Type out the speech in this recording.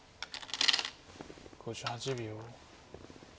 ５８秒。